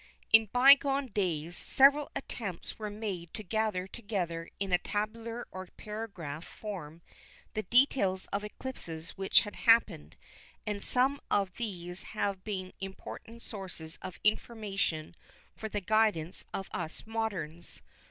In by gone days several attempts were made to gather together in a tabular or paragraph form the details of eclipses which had happened, and some of these have been important sources of information for the guidance of us moderns.